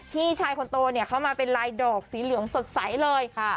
พี่ชายคนโตเนี่ยเขามาเป็นลายดอกสีเหลืองสดใสเลย